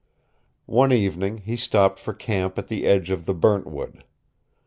One evening he stopped for camp at the edge of the Burntwood.